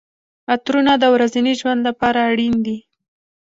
عطرونه د ورځني ژوند لپاره اړین دي.